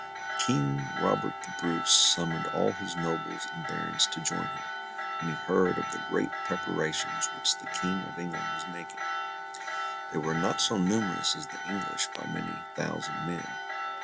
King Robert the Brace summoned all his nobles and barons to join him, when he heard of the great preparations which the King of England was making. They were not so numerous as the English by many thousand men.